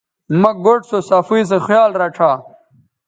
مہ گوٹھ سوصفائ سو خیال رڇھا